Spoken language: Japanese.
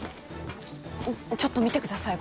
ちょっと見てください